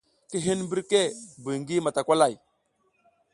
Ki hin mbirke buy ngi matakwalay.